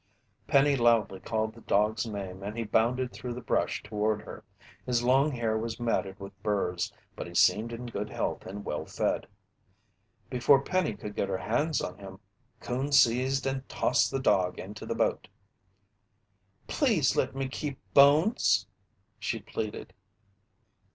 Penny loudly called the dog's name and he bounded through the brush toward her. His long hair was matted with burs, but he seemed in good health and well fed. Before Penny could get her hands on him, Coon seized and tossed the dog into the boat. "Please let me keep Bones!" she pleaded.